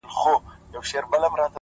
• د دوست دوست او د کافر دښمن دښمن یو,